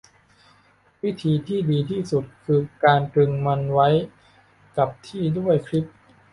วิธีที่ดีที่สุดคือการตรึงมันไว้กับที่ด้วยคลิป